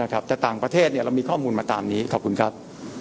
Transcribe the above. แต่ต่างประเทศเรามีข้อมูลมาตามนี้ขอบคุณครับ